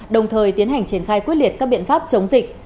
đồng thời tiến hành triển khai quyết liệt các biện pháp chống dịch